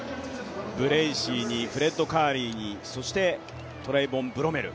ブレーシーにフレッド・カーリーにそして、トレイボン・ブロメル。